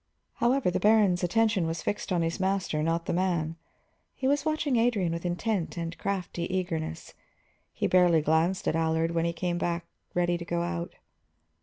However, the baron's attention was fixed on the master, not the man; he was watching Adrian with intent and crafty eagerness. He barely glanced at Allard when he came back ready to go out.